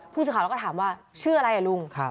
พูดถึงคำแล้วก็ถามว่าชื่ออะไรลุง